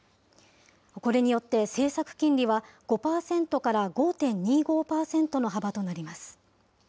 これによって、政策金利は５％から５．２５％の幅となります。